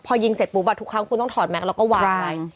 พอยิงเสร็จปุ๊บทุกครั้งคุณต้องถอดแม็กซแล้วก็วางไว้